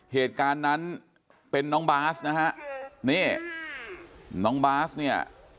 เหตุการณ์นั้นเป็นน้องบาสนะฮะนี่น้องบาสเนี่ย